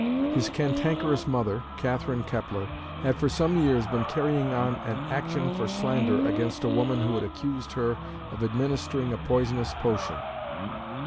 His cantankerous mother, Catherine Kepler, had for some years been carrying on an action for slander against a woman who had accused her of administering a poisonous potion.